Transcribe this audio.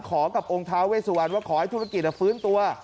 กับองค์ท้าเวสุวรรณว่าขอให้ธุรกิจฟื้นตัว